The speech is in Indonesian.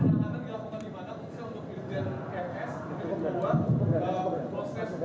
diperlaksani tembak itu